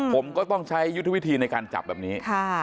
ผมก็ต้องใช้ยุทธวิธีในการจับแบบนี้